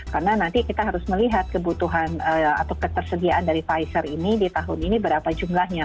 karena nanti kita harus melihat kebutuhan atau ketersediaan dari pfizer ini di tahun ini berapa jumlahnya